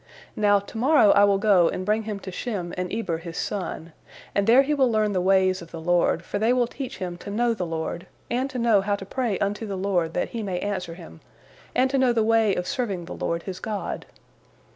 Now, to morrow I will go and bring him to Shem and Eber his son, and there he will learn the ways of the Lord, for they will teach him to know the Lord, and to know how to pray unto the Lord that He may answer him, and to know the way of serving the Lord his God."